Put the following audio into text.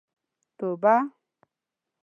توبه.